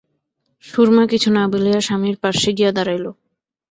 সুরমা কিছু না বলিয়া স্বামীর পার্শ্বে গিয়া দাঁড়াইল।